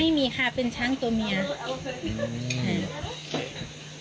ไม่มีค่ะเป็นช้างตัวเมีย